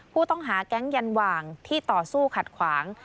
ผู้ต้องหาแก๊งยันหว่างที่ต่อสู้ขัดขวาง